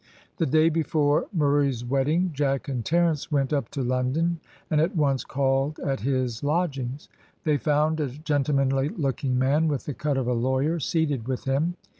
The day before Murray's wedding, Jack and Terence went up to London, and at once called at his lodgings. They found a gentlemanly looking man, with the cut of a lawyer, seated with him.